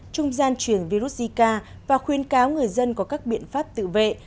trung gian chuyển virus zika và khuyên cáo người dân có các biện pháp tự vệ